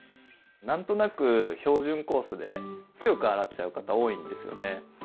何となく標準コースで強く洗っちゃう方多いんですよね。